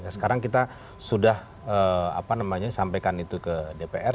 sekarang kita sudah apa namanya sampaikan itu ke dpr